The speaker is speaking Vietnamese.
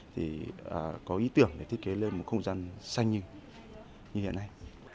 thì có ý tưởng để thiết kế lên một không gian xanh như hiện nay